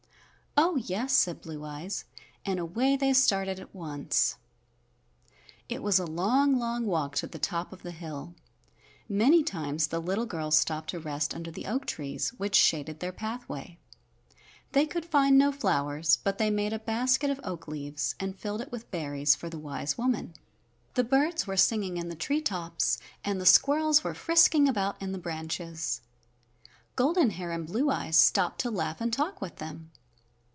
"Oh, yes," said Blue Eyes, and away they started at once. It was a long, long walk to the top of the hill. Many times the little girls stopped to rest under the oak trees which shaded their pathway. They could find no flowers, but they made a basket of oak leaves and filled it with berries for the wise woman. The birds were singing in the treetops, and the squirrels were frisking about in the branches. Golden Hair and Blue Eyes stopped to laugh and talk with them.